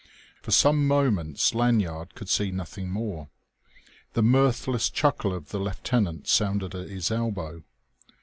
For some moments Lanyard could see nothing more. The mirthless chuckle of the lieutenant sounded at his elbow.